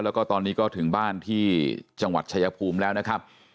แล้วก็ตอนนี้ก็ถึงบ้านที่จังหวัดชายภูมิแล้วนะครับ